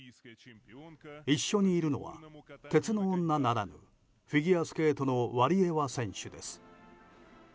一緒にいるのは、鉄の女ならぬフィギュアスケートのワリエワ選手です。